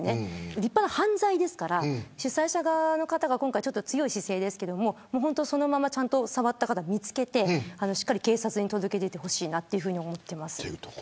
立派な犯罪ですから主催者側が今回、強い姿勢ですがそのまま触った方を見つけてしっかりと警察に届け出てほしいと思っています。